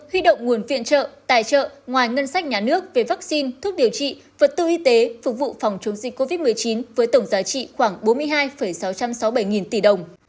huy động nguồn viện trợ tài trợ ngoài ngân sách nhà nước về vaccine thuốc điều trị vật tư y tế phục vụ phòng chống dịch covid một mươi chín với tổng giá trị khoảng bốn mươi hai sáu trăm sáu mươi bảy nghìn tỷ đồng